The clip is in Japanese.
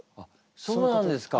そうなんですか。